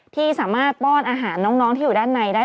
ที่สามารถป้อนอาหารน้องที่อยู่ด้านในได้